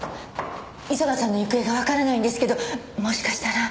磯田さんの行方がわからないんですけどもしかしたら。